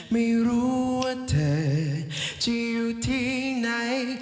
ไม่รู้ว่าเธอจะอยู่ที่ไหน